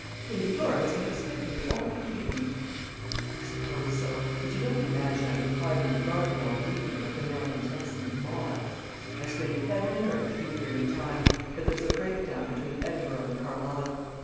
Lady Laura has been expecting you all the evening." "I suppose so. But you don't imagine I've been hiding in the garden all the evening, like the man in Tennyson's Maud? I strained heaven and earth to be here in time; but there was a break down between Edinburgh and Carlisle.